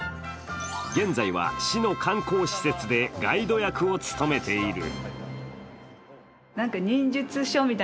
現在は市の観光施設でガイド役を務めている。